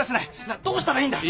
なあどうしたらいいんだ？